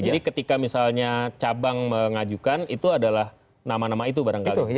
jadi ketika misalnya cabang mengajukan itu adalah nama nama itu barangkali